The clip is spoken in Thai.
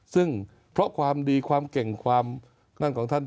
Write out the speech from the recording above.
ซึ่งเพราะความดีความเก่งความนั่นของท่าน